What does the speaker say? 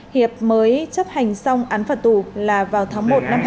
hiệp mới chấp hành xong án phạt tù là vào tháng một năm hai nghìn hai mươi